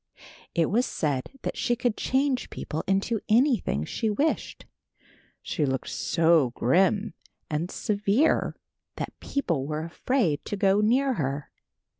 It was said that she could change people into anything she wished. She looked so grim and severe that people were afraid to go near her.